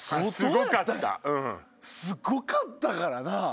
すごかったからな！